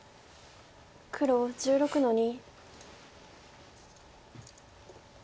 黒１６の二。